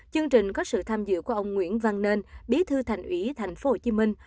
chương trình có sự tham dự của ông nguyễn văn nên bí thư thành ủy thành phố hồ chí minh